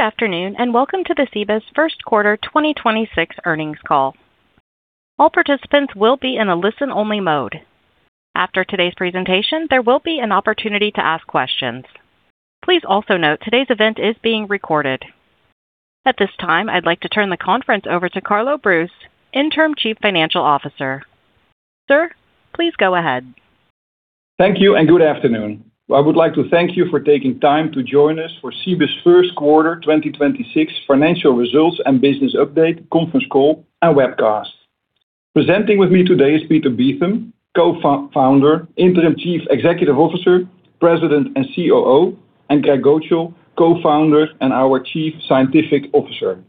Good afternoon, welcome to the Cibus first quarter 2026 earnings call. All participants will be in a listen-only mode. After today's presentation, there will be an opportunity to ask questions. Please also note, today's event is being recorded. At this time, I'd like to turn the conference over to Carlo Broos, Interim Chief Financial Officer. Sir, please go ahead. Thank you and good afternoon. I would like to thank you for taking time to join us for Cibus first quarter 2026 financial results and business update conference call and webcast. Presenting with me today is Peter Beetham, Co-Founder, Interim Chief Executive Officer, President, and Chief Operating Officer, and Greg Gocal, Co-Founder and our Chief Scientific Officer.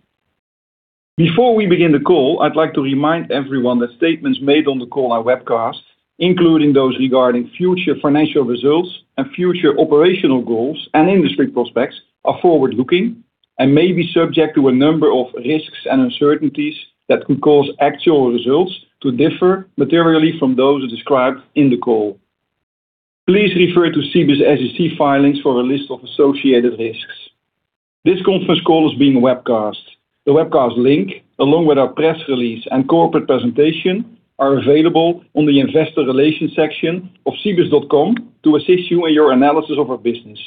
Before we begin the call, I'd like to remind everyone that statements made on the call and webcast, including those regarding future financial results and future operational goals and industry prospects, are forward-looking and may be subject to a number of risks and uncertainties that could cause actual results to differ materially from those described in the call. Please refer to Cibus SEC filings for a list of associated risks. This conference call is being webcast. The webcast link, along with our press release and corporate presentation, are available on the investor relations section of cibus.com to assist you in your analysis of our business.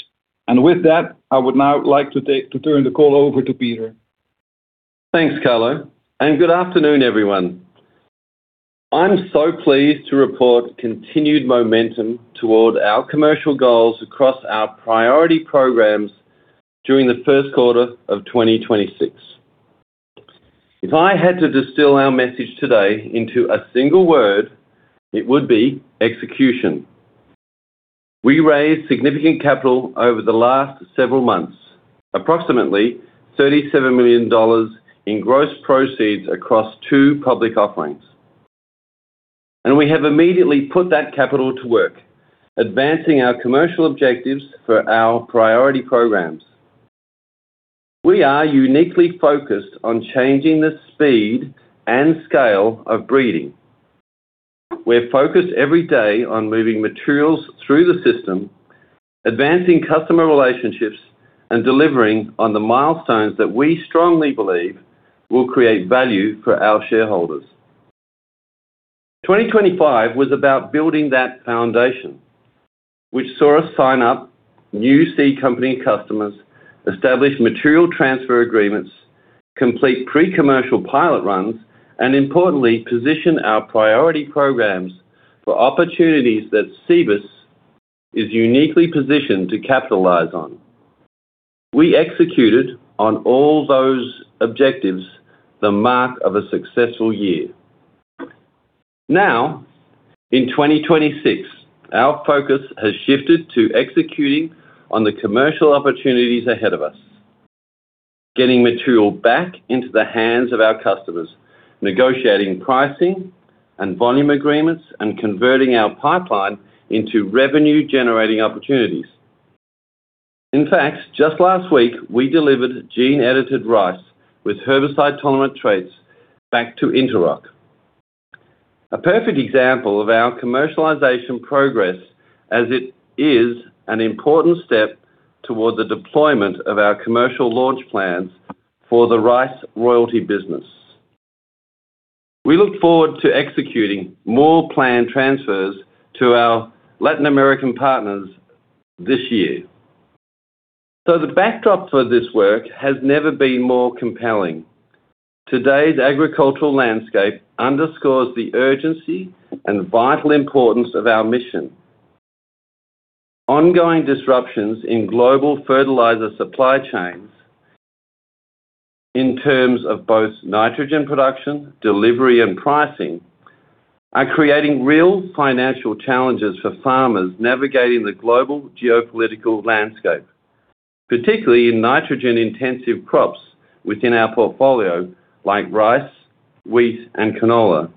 With that, I would now like to turn the call over to Peter. Thanks, Carlo. Good afternoon, everyone. I'm so pleased to report continued momentum toward our commercial goals across our priority programs during the first quarter of 2026. If I had to distill our message today into a single word, it would be execution. We raised significant capital over the last several months, approximately $37 million in gross proceeds across two public offerings. We have immediately put that capital to work, advancing our commercial objectives for our priority programs. We are uniquely focused on changing the speed and scale of breeding. We're focused every day on moving materials through the system, advancing customer relationships, and delivering on the milestones that we strongly believe will create value for our shareholders. 2025 was about building that foundation, which saw us sign up new seed company customers, establish material transfer agreements, complete pre-commercial pilot runs, and importantly, position our priority programs for opportunities that Cibus is uniquely positioned to capitalize on. We executed on all those objectives the mark of a successful year. Now, in 2026, our focus has shifted to executing on the commercial opportunities ahead of us. Getting material back into the hands of our customers, negotiating pricing and volume agreements, and converting our pipeline into revenue-generating opportunities. In fact, just last week, we delivered gene-edited rice with herbicide-tolerant traits back to Interoc. A perfect example of our commercialization progress as it is an important step toward the deployment of our commercial launch plans for the rice royalty business. We look forward to executing more planned transfers to our Latin American partners this year. The backdrop for this work has never been more compelling. Today's agricultural landscape underscores the urgency and vital importance of our mission. Ongoing disruptions in global fertilizer supply chains in terms of both nitrogen production, delivery, and pricing are creating real financial challenges for farmers navigating the global geopolitical landscape, particularly in nitrogen-intensive crops within our portfolio like rice, wheat, and canola.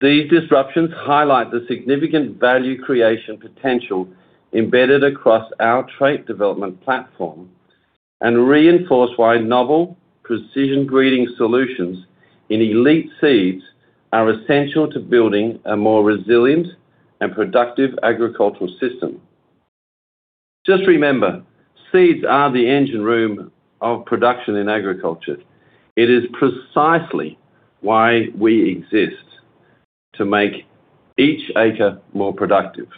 These disruptions highlight the significant value creation potential embedded across our trait development platform and reinforce why novel precision breeding solutions in elite seeds are essential to building a more resilient and productive agricultural system. Just remember, seeds are the engine room of production in agriculture. It is precisely why we exist, to make each acre more productive.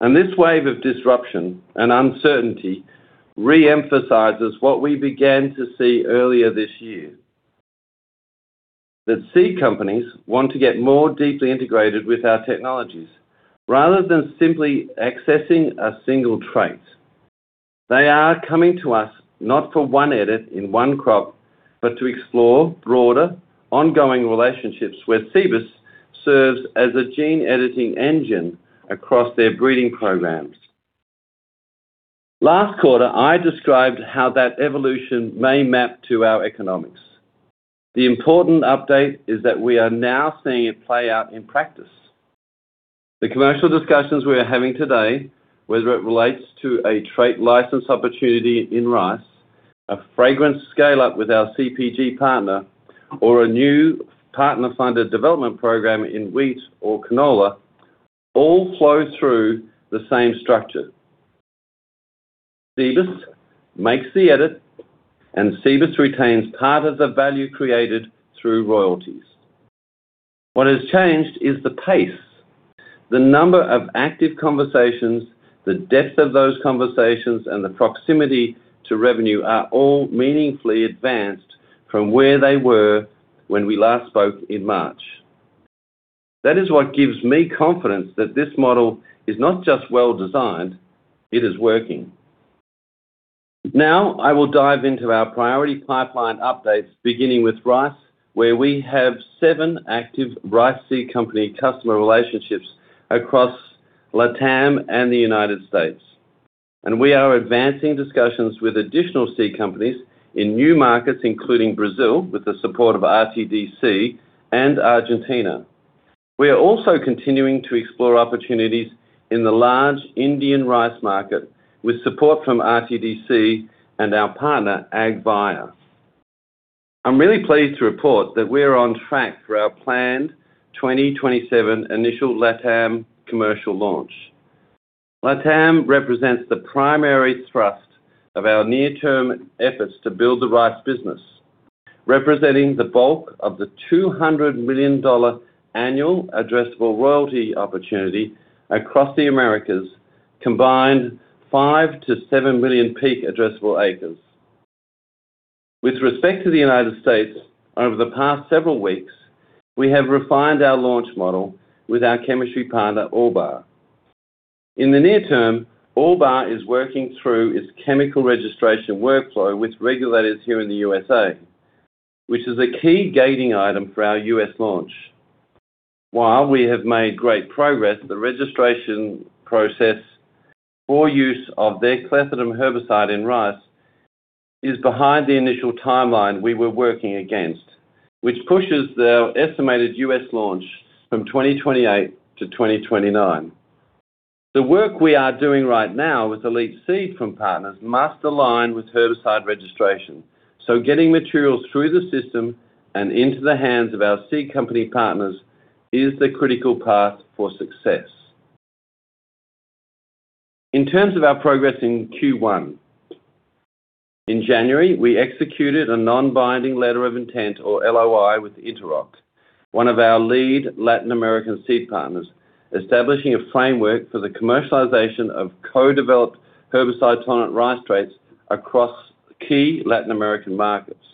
This wave of disruption and uncertainty re-emphasizes what we began to see earlier this year. That seed companies want to get more deeply integrated with our technologies rather than simply accessing a single trait. They are coming to us not for one edit in one crop, but to explore broader ongoing relationships where Cibus serves as a gene editing engine across their breeding programs. Last quarter, I described how that evolution may map to our economics. The important update is that we are now seeing it play out in practice. The commercial discussions we are having today, whether it relates to a trait license opportunity in rice fragrance scale up with our CPG partner or a new partner-funded development program in wheat or canola all flow through the same structure. Cibus makes the edit, Cibus retains part of the value created through royalties. What has changed is the pace. The number of active conversations, the depth of those conversations, and the proximity to revenue are all meaningfully advanced from where they were when we last spoke in March. That is what gives me confidence that this model is not just well-designed, it is working. Now, I will dive into our priority pipeline updates, beginning with rice, where we have seven active rice seed company customer relationships across LATAM and the United States. We are advancing discussions with additional seed companies in new markets, including Brazil, with the support of RTDC and Argentina. We are also continuing to explore opportunities in the large Indian rice market with support from RTDC and our partner, AgBio. I'm really pleased to report that we are on track for our planned 2027 initial LATAM commercial launch. LATAM represents the primary thrust of our near-term efforts to build the rice business, representing the bulk of the $200 million annual addressable royalty opportunity across the Americas, combined 5 million-7 million peak addressable acres. With respect to the United States, over the past several weeks, we have refined our launch model with our chemistry partner, Albaugh. In the near term, Albaugh is working through its chemical registration workflow with regulators here in the USA, which is a key gating item for our U.S. launch. While we have made great progress, the registration process for use of their clethodim herbicide in rice is behind the initial timeline we were working against, which pushes the estimated U.S. launch from 2028-2029. The work we are doing right now with elite seed from partners must align with herbicide registration. Getting materials through the system and into the hands of our seed company partners is the critical path for success. In terms of our progress in Q1, in January, we executed a non-binding letter of intent, or LOI, with Interoc, one of our lead Latin American seed partners, establishing a framework for the commercialization of co-developed herbicide-tolerant rice traits across key Latin American markets.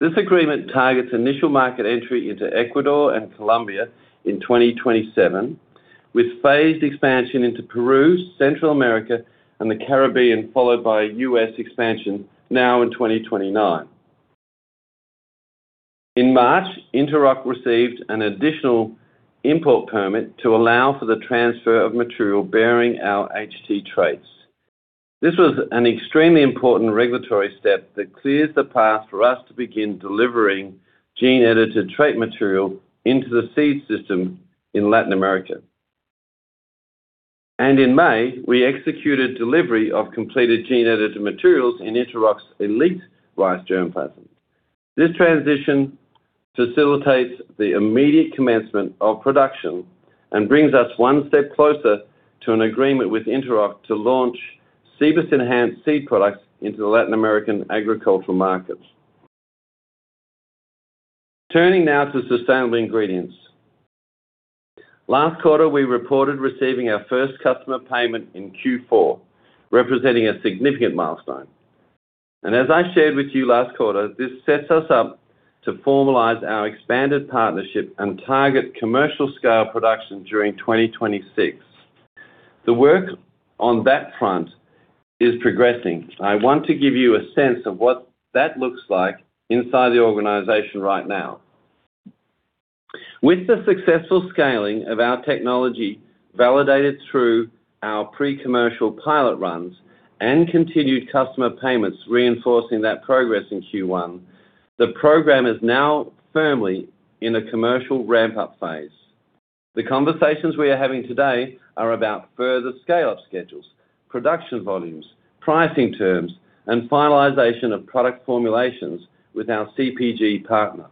This agreement targets initial market entry into Ecuador and Colombia in 2027, with phased expansion into Peru, Central America, and the Caribbean, followed by U.S. expansion now in 2029. In March, Interoc received an additional import permit to allow for the transfer of material bearing our HT traits. This was an extremely important regulatory step that clears the path for us to begin delivering gene-edited trait material into the seed system in Latin America. In May, we executed delivery of completed gene-edited materials in Interoc's elite rice germ plasm. This transition facilitates the immediate commencement of production and brings us one step closer to an agreement with Interoc to launch Cibus enhanced seed products into the Latin American agricultural markets. Turning now to sustainable ingredients. Last quarter, we reported receiving our first customer payment in Q4, representing a significant milestone. As I shared with you last quarter, this sets us up to formalize our expanded partnership and target commercial scale production during 2026. The work on that front is progressing. I want to give you a sense of what that looks like inside the organization right now. With the successful scaling of our technology validated through our pre-commercial pilot runs and continued customer payments reinforcing that progress in Q1, the program is now firmly in a commercial ramp-up phase. The conversations we are having today are about further scale-up schedules, production volumes, pricing terms, and finalization of product formulations with our CPG partner.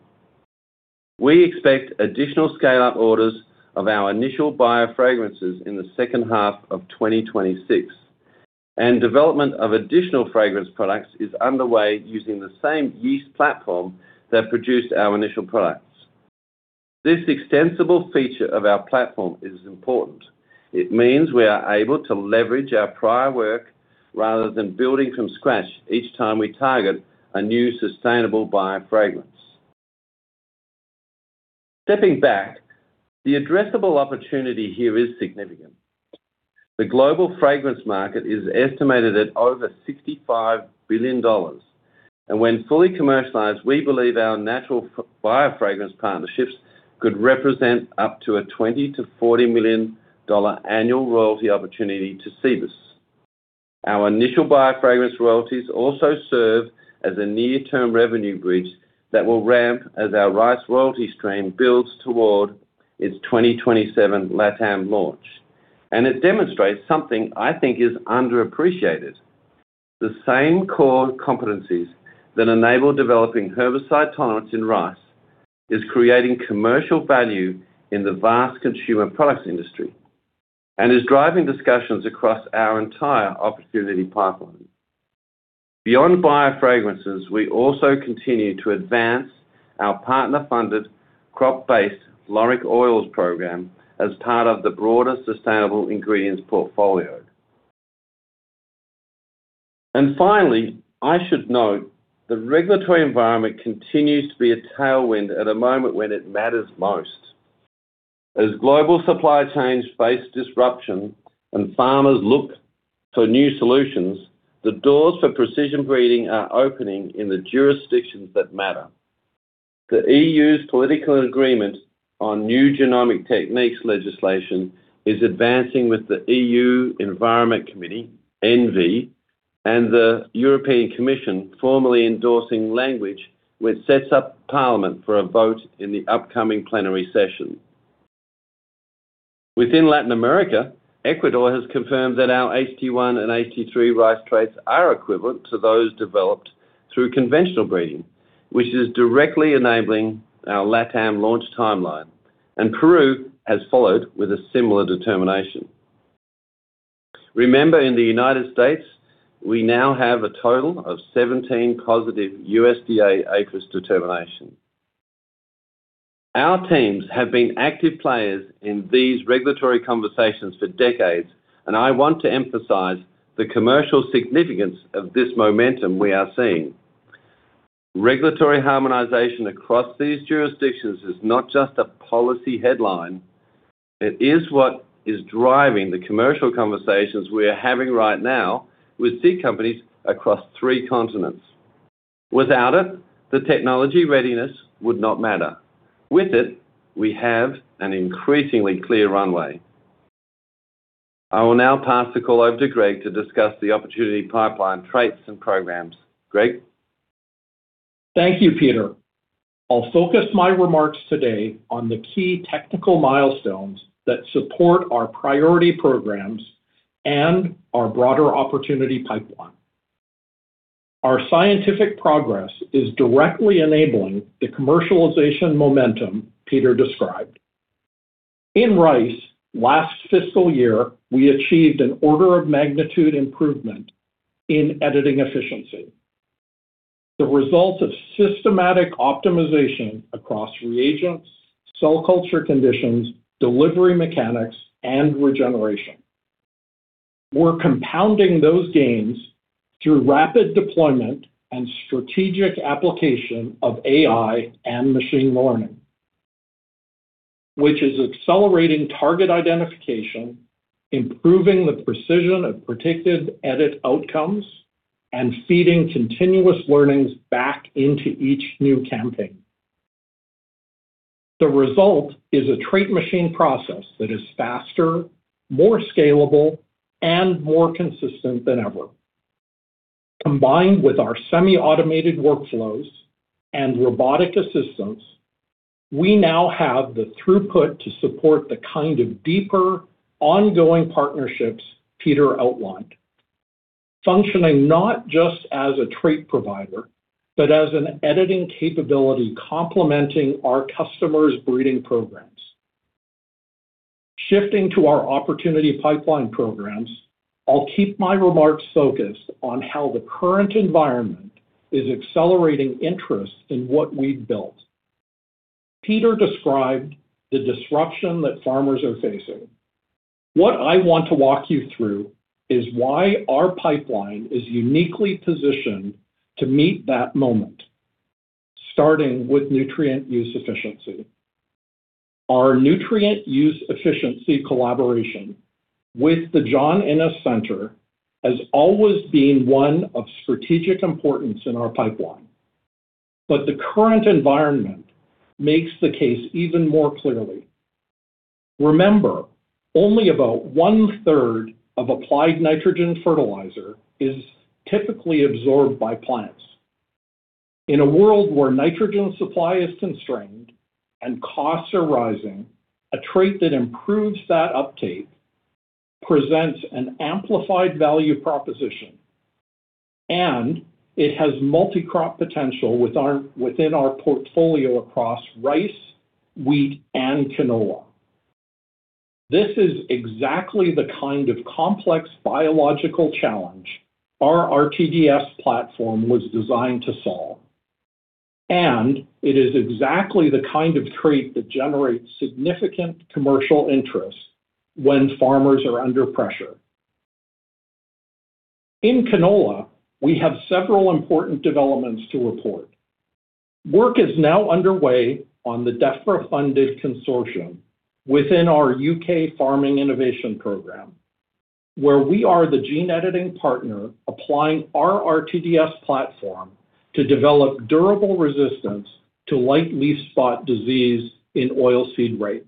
We expect additional scale up orders of our initial biofragrances in the second half of 2026, and development of additional fragrance products is underway using the same yeast platform that produced our initial products. This extensible feature of our platform is important. It means we are able to leverage our prior work rather than building from scratch each time we target a new sustainable biofragrance. Stepping back, the addressable opportunity here is significant. The global fragrance market is estimated at over $65 billion. When fully commercialized, we believe our natural biofragrances partnerships could represent up to a $20 million-$40 million annual royalty opportunity to Cibus. Our initial biofragrances royalties also serve as a near-term revenue bridge that will ramp as our rice royalty stream builds toward its 2027 LATAM launch. It demonstrates something I think is underappreciated. The same core competencies that enable developing herbicide tolerance in rice is creating commercial value in the vast consumer products industry and is driving discussions across our entire opportunity pipeline. Beyond biofragrances, we also continue to advance our partner-funded crop-based lauric oils program as part of the broader sustainable ingredients portfolio. Finally, I should note the regulatory environment continues to be a tailwind at a moment when it matters most. As global supply chains face disruption and farmers look to new solutions, the doors for precision breeding are opening in the jurisdictions that matter. The EU's political agreement on New Genomic Techniques legislation is advancing with the EU Environment Committee, ENVI, and the European Commission formally endorsing language which sets up Parliament for a vote in the upcoming plenary session. Within Latin America, Ecuador has confirmed that our HT1 and HT3 rice traits are equivalent to those developed through conventional breeding, which is directly enabling our LATAM launch timeline, and Peru has followed with a similar determination. Remember, in the United States, we now have a total of 17 positive USDA APHIS determination. Our teams have been active players in these regulatory conversations for decades, and I want to emphasize the commercial significance of this momentum we are seeing. Regulatory harmonization across these jurisdictions is not just a policy headline. It is what is driving the commercial conversations we are having right now with seed companies across three continents. Without it, the technology readiness would not matter. With it, we have an increasingly clear runway. I will now pass the call over to Greg to discuss the opportunity pipeline traits and programs. Greg? Thank you, Peter. I'll focus my remarks today on the key technical milestones that support our priority programs and our broader opportunity pipeline. Our scientific progress is directly enabling the commercialization momentum Peter described. In rice, last fiscal year, we achieved an order of magnitude improvement in editing efficiency. The result of systematic optimization across reagents, cell culture conditions, delivery mechanics, and regeneration. We're compounding those gains through rapid deployment and strategic application of AI and machine learning, which is accelerating target identification, improving the precision of predicted edit outcomes, and feeding continuous learnings back into each new campaign. The result is a Trait Machine process that is faster, more scalable, and more consistent than ever. Combined with our semi-automated workflows and robotic assistance, we now have the throughput to support the kind of deeper ongoing partnerships Peter outlined. Functioning not just as a trait provider, but as an editing capability complementing our customers' breeding programs. Shifting to our opportunity pipeline programs, I'll keep my remarks focused on how the current environment is accelerating interest in what we've built. Peter described the disruption that farmers are facing. What I want to walk you through is why our pipeline is uniquely positioned to meet that moment, starting with nutrient use efficiency. Our nutrient use efficiency collaboration with the John Innes Centre has always been one of strategic importance in our pipeline, but the current environment makes the case even more clearly. Remember, only about 1/3 of applied nitrogen fertilizer is typically absorbed by plants. In a world where nitrogen supply is constrained and costs are rising, a trait that improves that uptake presents an amplified value proposition, and it has multi-crop potential within our portfolio across rice, wheat, and canola. This is exactly the kind of complex biological challenge our RTDS Platform was designed to solve, and it is exactly the kind of trait that generates significant commercial interest when farmers are under pressure. In canola, we have several important developments to report. Work is now underway on the Defra-funded consortium within our U.K. Farming Innovation Programme, where we are the gene editing partner applying our RTDS platform to develop durable resistance to light leaf spot disease in oilseed rape.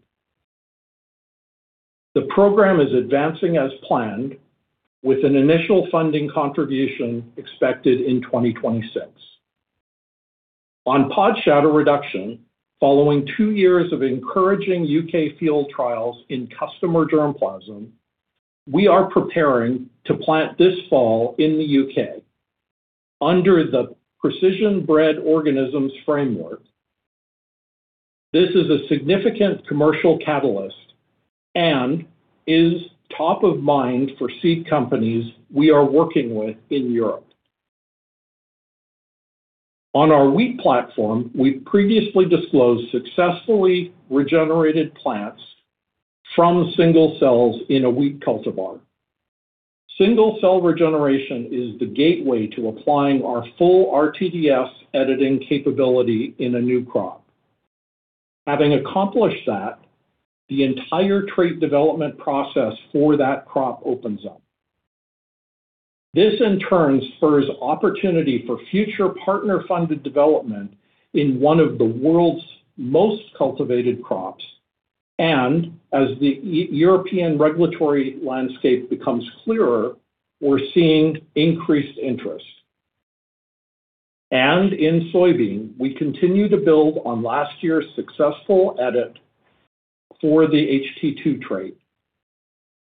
The program is advancing as planned with an initial funding contribution expected in 2026. Pod shatter reduction, following two-years of encouraging U.K. field trials in customer germplasm, we are preparing to plant this fall in the U.K. under the Precision Bred Organisms framework. This is a significant commercial catalyst and is top of mind for seed companies we are working with in Europe. Our wheat platform, we previously disclosed successfully regenerated plants from single cells in a wheat cultivar. Single cell regeneration is the gateway to applying our full RTDS editing capability in a new crop. Having accomplished that, the entire trait development process for that crop opens up. This in turn spurs opportunity for future partner-funded development in one of the world's most cultivated crops. As the European regulatory landscape becomes clearer, we're seeing increased interest. In soybean, we continue to build on last year's successful edit for the HT2 trait,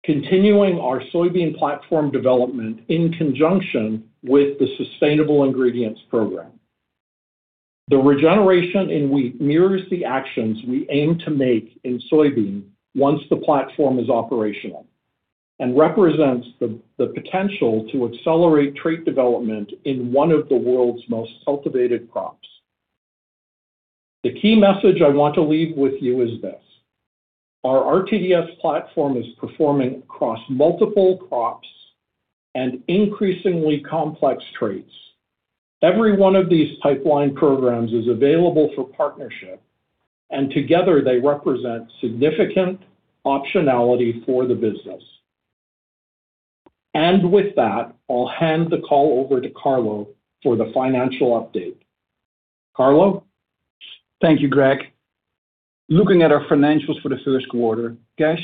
continuing our soybean platform development in conjunction with the sustainable ingredients program. The regeneration in wheat mirrors the actions we aim to make in soybean once the platform is operational, and represents the potential to accelerate trait development in one of the world's most cultivated crops. The key message I want to leave with you is this: our RTDS platform is performing across multiple crops and increasingly complex traits. Every one of these pipeline programs is available for partnership, and together they represent significant optionality for the business. With that, I'll hand the call over to Carlo for the financial update. Carlo? Thank you, Greg. Looking at our financials for the first quarter, cash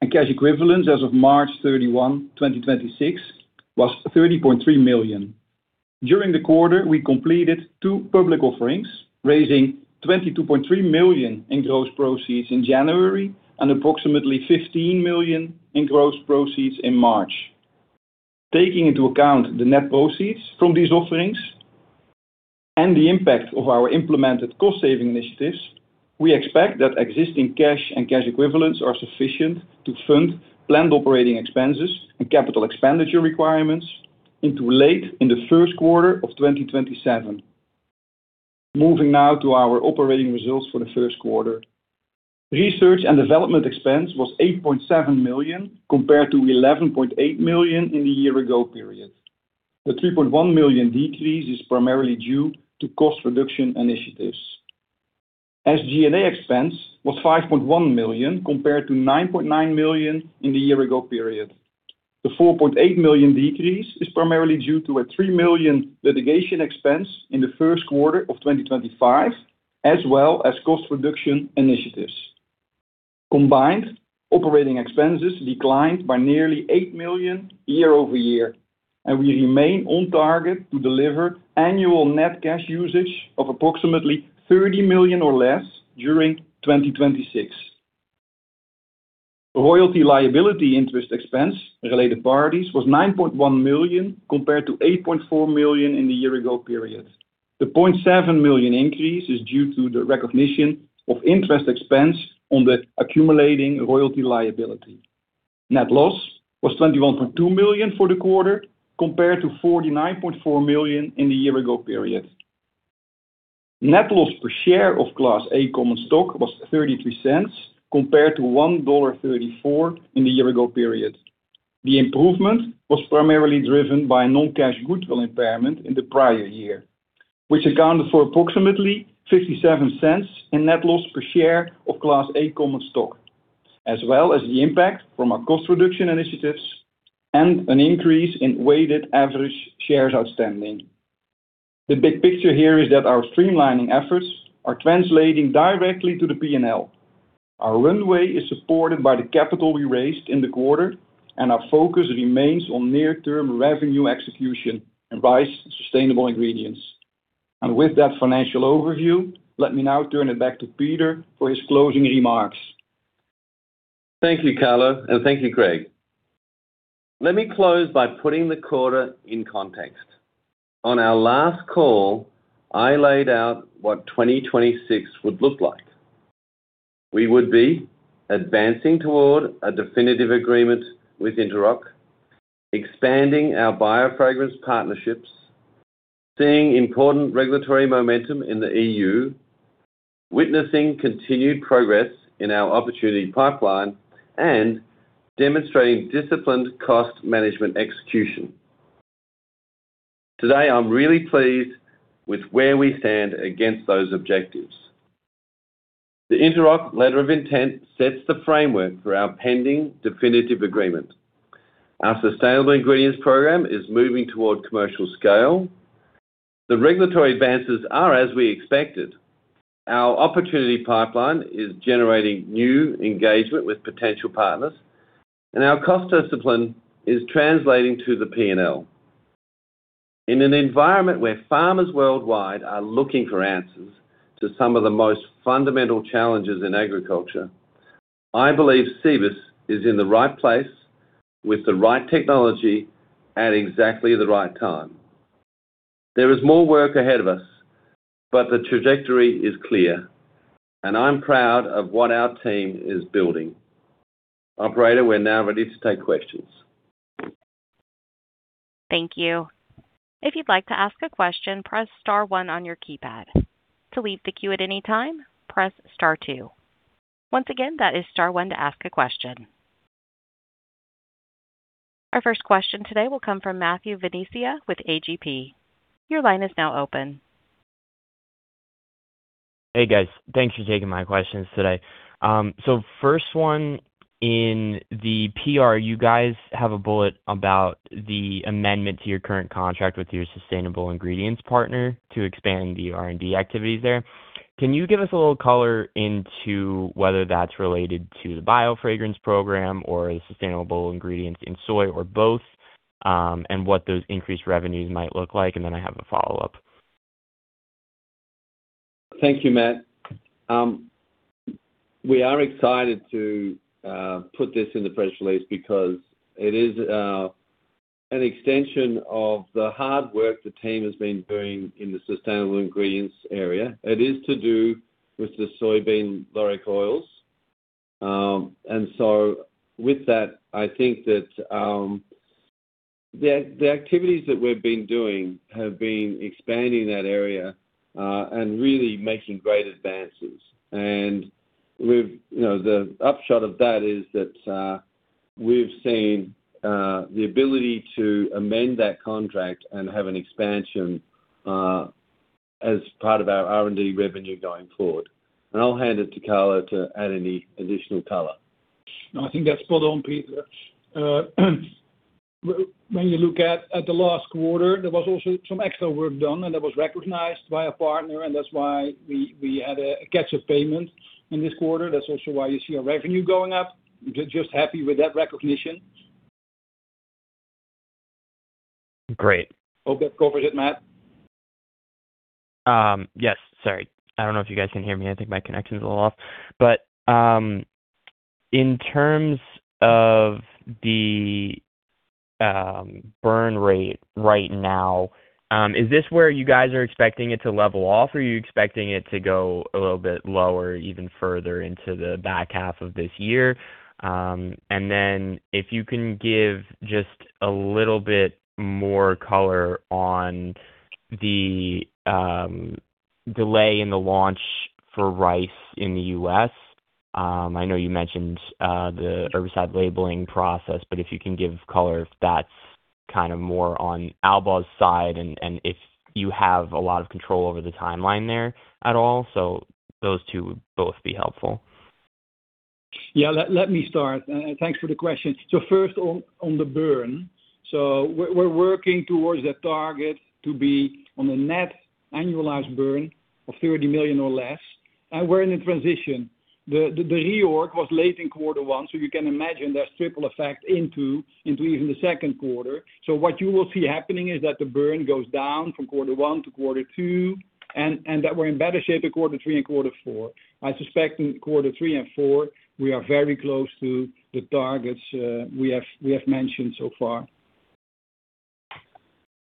and cash equivalents as of March 31, 2026 was $30.3 million. During the quarter, we completed two public offerings, raising $22.3 million in gross proceeds in January and approximately $15 million in gross proceeds in March. Taking into account the net proceeds from these offerings and the impact of our implemented cost-saving initiatives, we expect that existing cash and cash equivalents are sufficient to fund planned operating expenses and capital expenditure requirements into late in the first quarter of 2027. Moving now to our operating results for the first quarter. Research and development expense was $8.7 million, compared to $11.8 million in the year ago period. The $3.1 million decrease is primarily due to cost reduction initiatives. SG&A expense was $5.1 million, compared to $9.9 million in the year ago period. The $4.8 million decrease is primarily due to a $3 million litigation expense in the first quarter of 2025, as well as cost reduction initiatives. Combined, operating expenses declined by nearly $8 million year-over-year, and we remain on target to deliver annual net cash usage of approximately $30 million or less during 2026. Royalty liability interest expense related parties was $9.1 million, compared to $8.4 million in the year ago period. The $0.7 million increase is due to the recognition of interest expense on the accumulating royalty liability. Net loss was $21.2 million for the quarter, compared to $49.4 million in the year ago period. Net loss per share of Class A common stock was $0.33, compared to $1.34 in the year ago period. The improvement was primarily driven by a non-cash goodwill impairment in the prior year, which accounted for approximately $0.57 in net loss per share of Class A common stock, as well as the impact from our cost reduction initiatives and an increase in weighted average shares outstanding. The big picture here is that our streamlining efforts are translating directly to the P&L. Our runway is supported by the capital we raised in the quarter, and our focus remains on near-term revenue execution in rice and sustainable ingredients. With that financial overview, let me now turn it back to Peter for his closing remarks. Thank you, Carlo, and thank you, Greg. Let me close by putting the quarter in context. On our last call, I laid out what 2026 would look like. We would be advancing toward a definitive agreement with Interoc, expanding our biofragrances partnerships, seeing important regulatory momentum in the EU, witnessing continued progress in our opportunity pipeline, and demonstrating disciplined cost management execution. Today, I'm really pleased with where we stand against those objectives. The Interoc letter of intent sets the framework for our pending definitive agreement. Our sustainable ingredients program is moving toward commercial scale. The regulatory advances are as we expected. Our opportunity pipeline is generating new engagement with potential partners. Our cost discipline is translating to the P&L. In an environment where farmers worldwide are looking for answers to some of the most fundamental challenges in agriculture, I believe Cibus is in the right place with the right technology at exactly the right time. There is more work ahead of us, but the trajectory is clear, and I'm proud of what our team is building. Operator, we're now ready to take questions. Thank you. If you'd like to ask a question press star one on your keypad, to leave the que anytime press star two, once again press star one for question. Our first question today will come from Matthew Venezia with AGP. Hey, guys. Thanks for taking my questions today. First one, in the PR, you guys have a bullet about the amendment to your current contract with your sustainable ingredients partner to expand the R&D activities there. Can you give us a little color into whether that's related to the biofragrance program or the sustainable ingredients in soy or both, and what those increased revenues might look like? I have a follow-up. Thank you, Matt. We are excited to put this in the press release because it is an extension of the hard work the team has been doing in the sustainable ingredients area. It is to do with the soybean lauric oils. With that, I think that the activities that we've been doing have been expanding that area and really making great advances. We've You know, the upshot of that is that we've seen the ability to amend that contract and have an expansion as part of our R&D revenue going forward. I'll hand it to Carlo to add any additional color. No, I think that's spot on, Peter. When you look at the last quarter, there was also some extra work done, and that was recognized by a partner, and that's why we had a catch-up payment in this quarter. That's also why you see our revenue going up. Just happy with that recognition. Great. Hope that covers it, Matt. Yes. Sorry. I don't know if you guys can hear me. I think my connection's a little off. In terms of the burn rate right now, is this where you guys are expecting it to level off, or are you expecting it to go a little bit lower, even further into the back half of this year? If you can give just a little bit more color on the delay in the launch for rice in the U.S. I know you mentioned the herbicide labeling process, if you can give color if that's kind of more on Albaugh's side and if you have a lot of control over the timeline there at all. Those two would both be helpful. Yeah. Let me start. Thanks for the question. First on the burn. We're working towards that target to be on a net annualized burn of $30 million or less, and we're in a transition. The reorg was late in quarter one, you can imagine there's triple effect into even the second quarter. What you will see happening is that the burn goes down from quarter one to quarter two, and that we're in better shape in quarter three and quarter four. I suspect in quarter three and four, we are very close to the targets we have mentioned so far.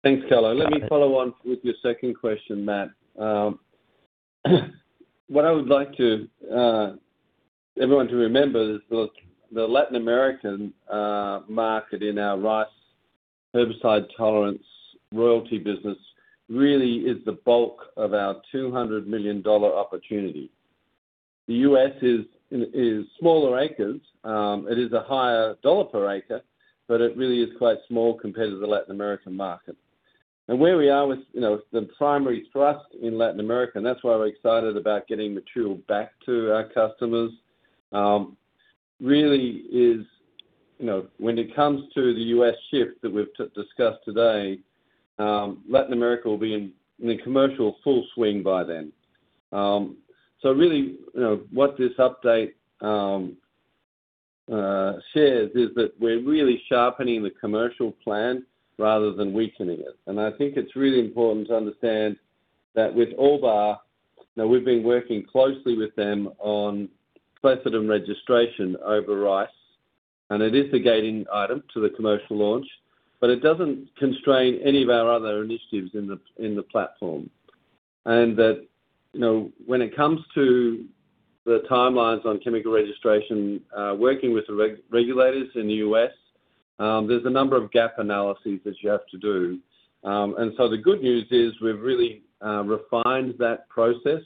Thanks, Carlo. Let me follow on with your second question, Matt. What I would like everyone to remember is the Latin American market in our rice herbicide tolerance royalty business really is the bulk of our $200 million opportunity. The U.S. is smaller acres. It is a higher dollar per acre, it really is quite small compared to the Latin American market. Where we are with, you know, the primary thrust in Latin America, and that's why we're excited about getting material back to our customers, really is, you know, when it comes to the U.S. shift that we've discussed today, Latin America will be in commercial full swing by then. Really, you know, what this update shares is that we're really sharpening the commercial plan rather than weakening it. I think it's really important to understand that with Alba, you know, we've been working closely with them on clethodim registration over rice, and it is a gating item to the commercial launch, but it doesn't constrain any of our other initiatives in the platform. You know, when it comes to the timelines on chemical registration, working with the regulators in the U.S., there's a number of gap analyses that you have to do. The good news is we've really refined that process,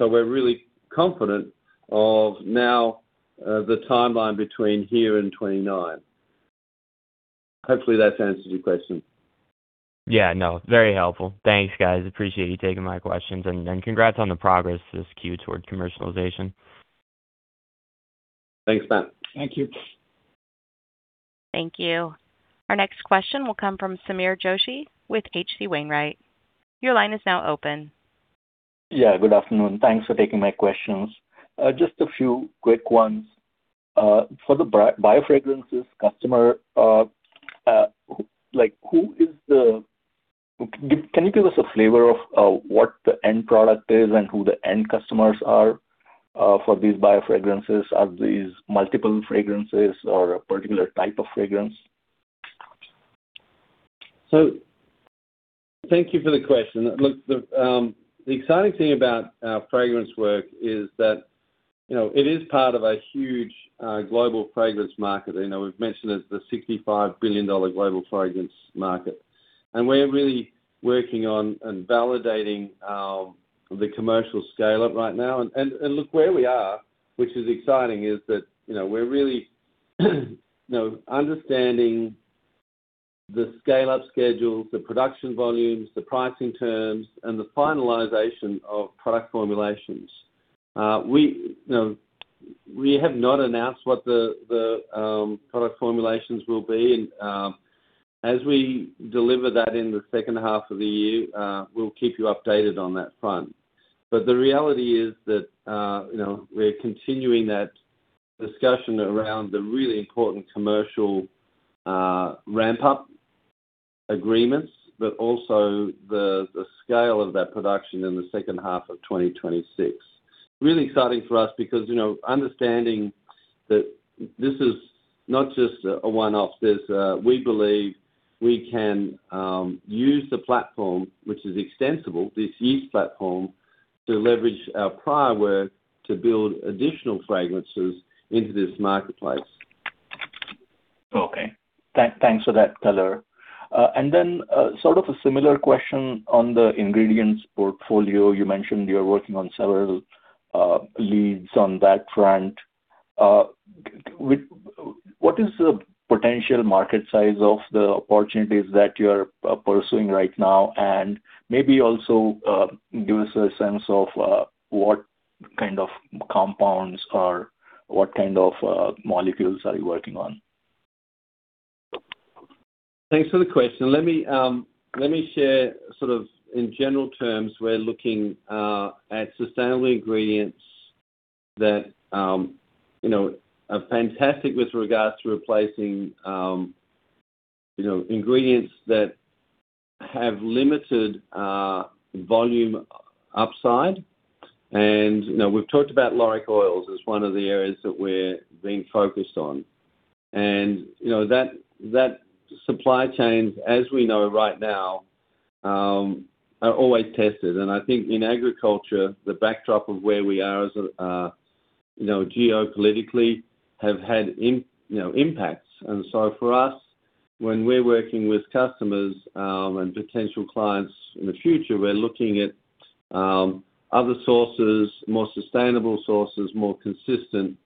we're really confident of now the timeline between here and 2029. Hopefully, that's answered your question. Yeah. No, very helpful. Thanks, guys. Appreciate you taking my questions. Congrats on the progress this Q towards commercialization. Thanks, Matt. Thank you. Thank you. Our next question will come from Sameer Joshi with H.C. Wainwright. Your line is now open. Yeah. Good afternoon. Thanks for taking my questions. Just a few quick ones. For the biofragrances customer, like who is the Can you give us a flavor of what the end product is and who the end customers are for these biofragrances? Are these multiple fragrances or a particular type of fragrance? Thank you for the question. Look, the exciting thing about our fragrance work is that, you know, it is part of a huge global fragrance market. You know, we've mentioned it's the $65 billion global fragrance market. We're really working on and validating the commercial scale-up right now. Look where we are, which is exciting, is that, you know, we're really, you know, understanding the scale-up schedules, the production volumes, the pricing terms, and the finalization of product formulations. We, you know, we have not announced what the product formulations will be and, as we deliver that in the second half of the year, we'll keep you updated on that front. The reality is that, you know, we're continuing that discussion around the really important commercial ramp-up agreements, but also the scale of that production in the second half of 2026. Really exciting for us because, you know, understanding that this is not just a one-off. There's We believe we can use the platform, which is extensible, this yeast platform, to leverage our prior work to build additional fragrances into this marketplace. Okay. Thanks for that color. Then, sort of a similar question on the ingredients portfolio. You mentioned you're working on several leads on that front. What is the potential market size of the opportunities that you're pursuing right now? Maybe also, give us a sense of what kind of compounds or what kind of molecules are you working on? Thanks for the question. Let me share sort of in general terms, we're looking at sustainable ingredients that, you know, are fantastic with regards to replacing, you know, ingredients that have limited volume upside. You know, we've talked about lauric oils as one of the areas that we're being focused on. You know, that supply chains, as we know right now, are always tested. I think in agriculture, the backdrop of where we are as a, you know, geopolitically have had impacts. For us, when we're working with customers, and potential clients in the future, we're looking at other sources, more sustainable sources, more consistent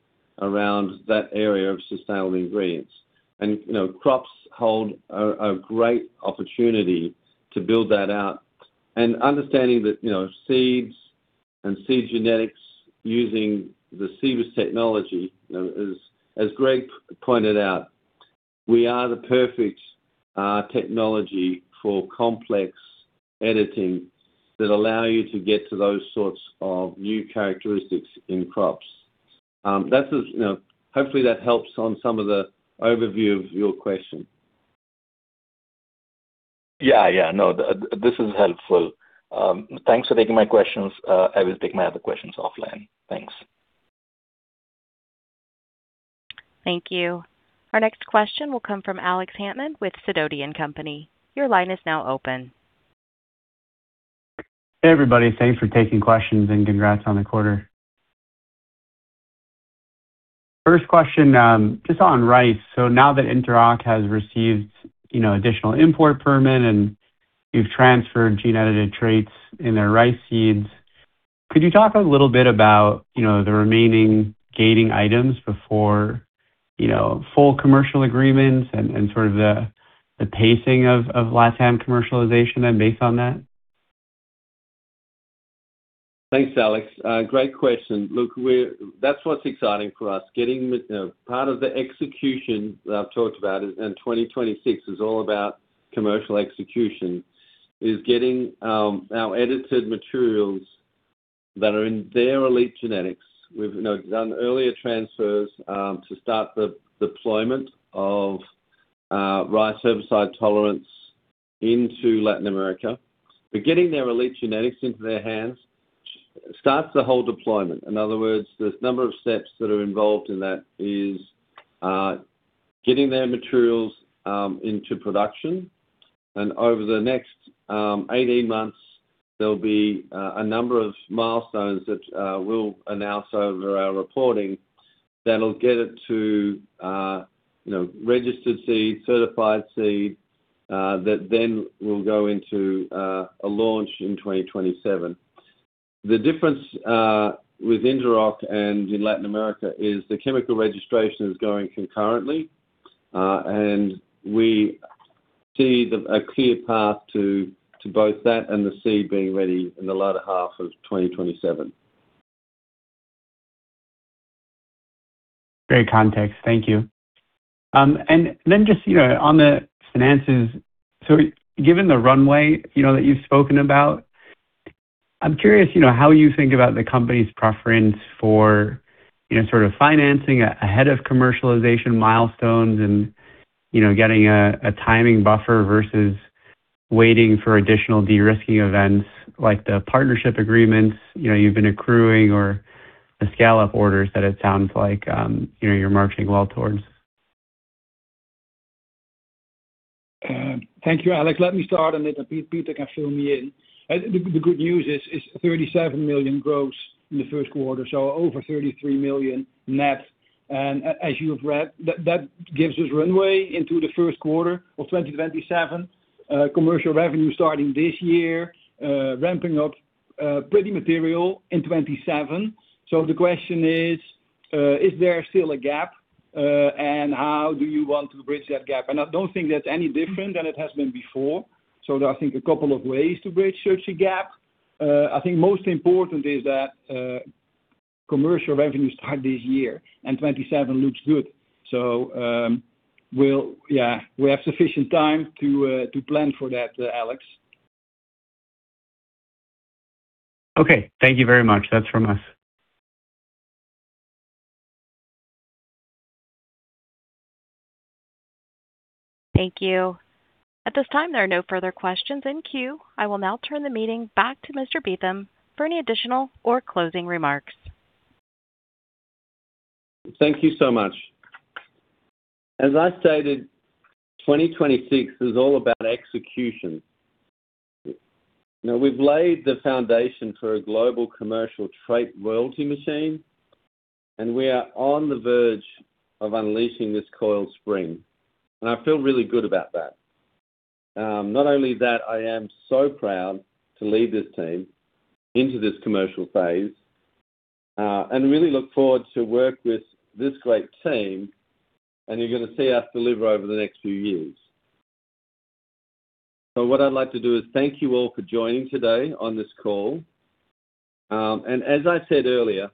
around that area of sustainable ingredients. You know, crops hold a great opportunity to build that out and understanding that, you know, seeds and seed genetics using the Cibus technology, you know, as Greg pointed out, we are the perfect technology for complex editing that allow you to get to those sorts of new characteristics in crops. That is, you know, hopefully that helps on some of the overview of your question. Yeah. Yeah. No, this is helpful. Thanks for taking my questions. I will take my other questions offline. Thanks. Thank you. Our next question will come from Alex Hantman with Sidoti & Company. Your line is now open. Hey, everybody. Thanks for taking questions and congrats on the quarter. First question, just on rice. Now that Interoc has received, you know, additional import permit and you've transferred gene-edited traits in their rice seeds, could you talk a little bit about, you know, the remaining gating items before, you know, full commercial agreements and sort of the pacing of LATAM commercialization then based on that? Thanks, Alex. Great question. Look, that's what's exciting for us. Getting the, you know, part of the execution that I've talked about, 2026 is all about commercial execution, is getting our edited materials that are in their elite genetics. We've, you know, done earlier transfers to start the deployment of rice herbicide tolerance into Latin America. Getting their elite genetics into their hands starts the whole deployment. In other words, there's a number of steps that are involved in that is getting their materials into production. Over the next 18 months, there'll be a number of milestones that we'll announce over our reporting that'll get it to, you know, registered seed, certified seed, that then will go into a launch in 2027. The difference with Interoc and in Latin America is the chemical registration is going concurrently. We see a clear path to both that and the seed being ready in the latter half of 2027. Great context. Thank you. Then just, you know, on the finances. Given the runway, you know, that you've spoken about, I'm curious, you know, how you think about the company's preference for, you know, sort of financing ahead of commercialization milestones and, you know, getting a timing buffer versus waiting for additional de-risking events like the partnership agreements, you know, you've been accruing or the scale-up orders that it sounds like, you know, you're marching well towards. Thank you, Alex. Let me start on it, and Peter can fill me in. The good news is $37 million gross in the first quarter, so over $33 million net. As you have read, that gives us runway into the first quarter of 2027. Commercial revenue starting this year, ramping up, pretty material in 2027. The question is there still a gap, and how do you want to bridge that gap? I don't think that's any different than it has been before. There are, I think, a couple of ways to bridge such a gap. I think most important is that commercial revenues start this year, and 2027 looks good. Yeah, we have sufficient time to plan for that, Alex. Okay. Thank you very much. That is from us. Thank you. At this time, there are no further questions in queue. I will now turn the meeting back to Mr. Beetham for any additional or closing remarks. Thank you so much. As I stated, 2026 is all about execution. Now we've laid the foundation for a global commercial trait royalty machine, and we are on the verge of unleashing this coiled spring. I feel really good about that. Not only that, I am so proud to lead this team into this commercial phase, and really look forward to work with this great team, and you're gonna see us deliver over the next few years. What I'd like to do is thank you all for joining today on this call. As I said earlier,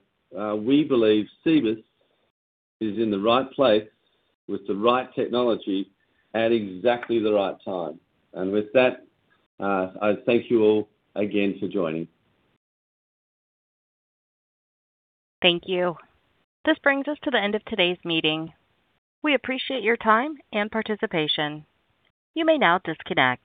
we believe Cibus is in the right place with the right technology at exactly the right time. With that, I thank you all again for joining. Thank you. This brings us to the end of today's meeting. We appreciate your time and participation. You may now disconnect.